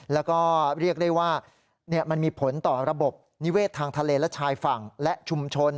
แล้วก็เรียกได้ว่ามันมีผลต่อระบบนิเวศทางทะเลและชายฝั่งและชุมชน